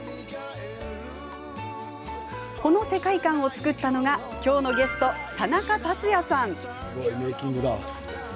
この世界観を作ったのがきょうのゲスト、田中達也さん。